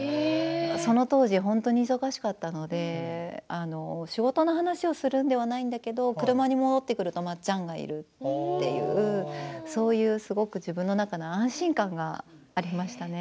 その当時、本当に忙しかったので仕事の話をするのではないんだけど車に戻ってくるとまっちゃんがいる、というそういう、すごく自分の中で安心感がありましたね。